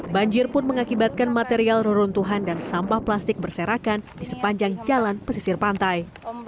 banjir pun mengakibatkan material reruntuhan dan sampah plastik berserakan di sepanjang jalan pesisir pantai